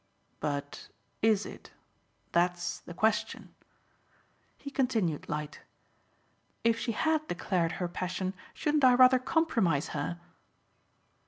"But IS it? That's the question." He continued light. "If she had declared her passion shouldn't I rather compromise her